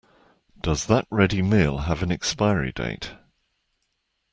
Does that ready meal have an expiry date?